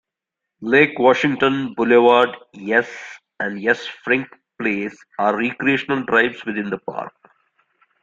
Lake Washington Boulevard S. and S. Frink Place are recreational drives within the park.